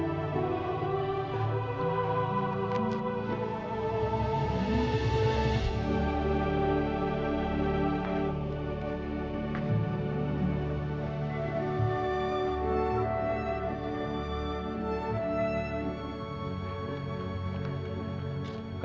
kamu siah kau binbu membunuh nasri